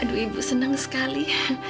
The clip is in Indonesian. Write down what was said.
aduh ibu senang sekali